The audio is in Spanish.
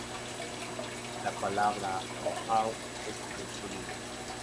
La palabra "mohawk" es un exónimo.